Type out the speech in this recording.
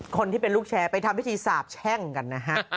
คนที่เป็นลูกแชร์ไปทำพิธีสาบแช่งกันนะฮะ